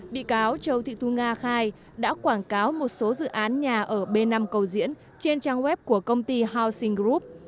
bị cáo châu thị thu nga khai đã quảng cáo một số dự án nhà ở b năm cầu diễn trên trang web của công ty housing group